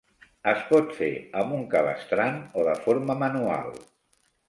Es pot fer amb un cabestrant o de forma manual.